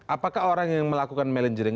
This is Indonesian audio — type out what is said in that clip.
apakah orang yang melakukan manajering